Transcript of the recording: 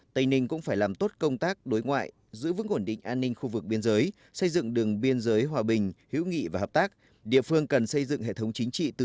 tây ninh cũng phải làm tốt công tác đối ngoại giữ vững ổn định an ninh khu vực biên giới xây dựng đường biên giới hòa bình hữu nghị và hợp tác